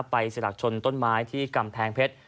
สลักชนต้นไม้ที่กำแพงเพชร